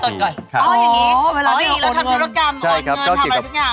อ๋อเหมือนกับที่จะอ่อนเงินแล้วทำธุรกรรมอ่อนเงินทำอะไรทุกอย่าง